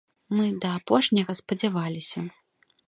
Мы да апошняга спадзяваліся.